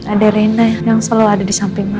ada rena yang selalu ada di samping mas